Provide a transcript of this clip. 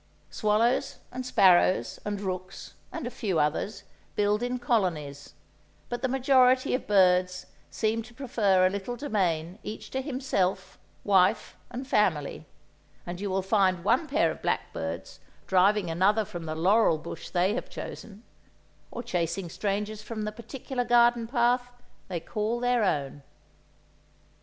Swallows and sparrows and rooks, and a few others, build in colonies, but the majority of birds seem to prefer a little domain each to himself, wife and family, and you will find one pair of blackbirds driving another from the laurel bush they have chosen, or chasing strangers from the particular garden path they call their own.